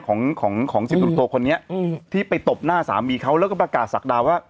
ของของสิบหนุ่มโทคนนี้อืมที่ไปตบหน้าสามีเขาแล้วก็ประกาศศักดาว่า